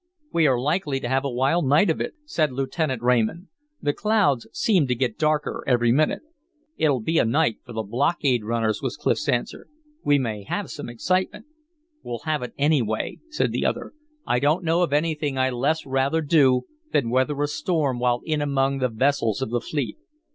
"We are likely to have a wild night of it," said Lieutenant Raymond. "The clouds seem to get darker every minute." "It'll be a night for the blockade runners," was Clif's answer. "We may have some excitement." "We'll have it anyway," said the other. "I don't know of anything I less rather do than weather a storm while in among the vessels of the fleet.